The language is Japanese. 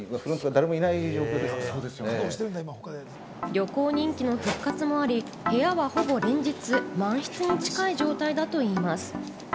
旅行人気の復活もあり、部屋はほぼ連日、満室に近い状態だといいます。